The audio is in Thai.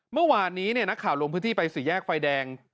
เมื่อวานนี้นักข่าวลงพื้นที่ไปสี่แยกไฟแดง